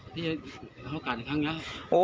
พี่โอกาสอีกครั้งแล้ว